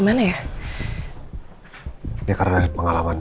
bakal kita rubah tempat anre xia salim amat jari